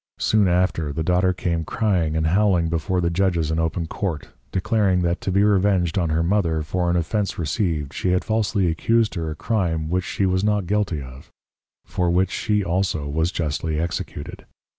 Soon after the Daughter came crying and howling before the Judges in open Court, declaring, that to be revenged on her Mother for an Offence received, she had falsely accused her with a Crime which she was not guilty of; for which she also was justly Executed.